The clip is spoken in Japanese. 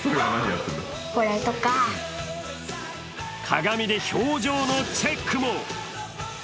鏡で表情のチェックも。